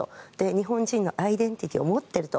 日本人のアイデンティティーを持っていると。